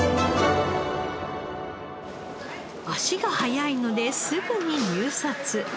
足が早いのですぐに入札。